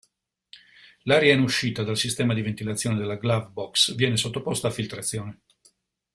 L'aria in uscita dal sistema di ventilazione della glove box viene sottoposta a filtrazione